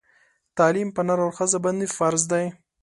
تعلیم پر نر او ښځه باندي فرض دی